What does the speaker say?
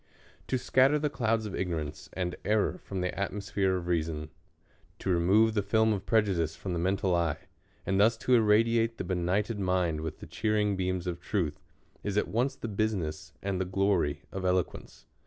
THE COLUMBIAN ORATOR. 3i To scatter the clouds of ignorance and eiTor from the atmosphere of reason ; to remove the film of prejudice from the mental eye ; and thus to irradiate the be nighted mind with the cheering beams of truth, is at once the business and the glory of eloquence.